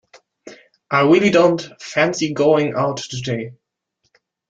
I really don't fancy going out today.